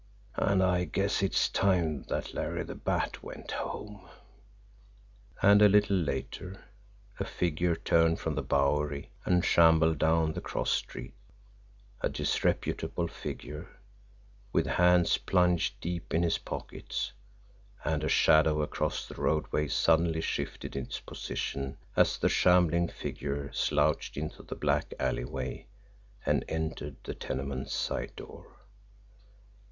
And I guess it's time that Larry the Bat went home." And a little later a figure turned from the Bowery and shambled down the cross street, a disreputable figure, with hands plunged deep in his pockets and a shadow across the roadway suddenly shifted its position as the shambling figure slouched into the black alleyway and entered the tenement's side door.